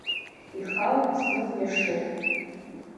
Ихаауп, зных иашоуп.